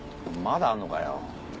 まだあんのかよ？